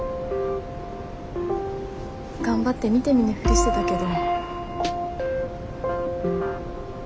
頑張って見て見ぬふりしてたけど。